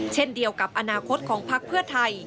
เช่นเดียวกับอนาคตของพักเพื่อไทย